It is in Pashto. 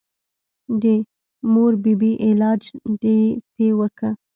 د مور بي بي علاج دې پې وکه.